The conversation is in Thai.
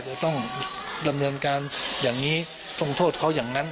เดี๋ยวต้องดำเนินการอย่างนี้ต้องโทษเขาอย่างนั้น